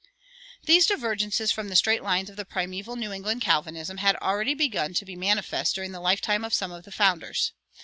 These divergences from the straight lines of the primeval New England Calvinism had already begun to be manifest during the lifetime of some of the founders.